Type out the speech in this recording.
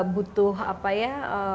butuh apa ya